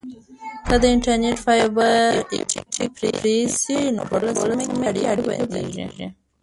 که د انټرنیټ فایبر اپټیک پرې شي نو په ټوله سیمه کې اړیکه بندیږي.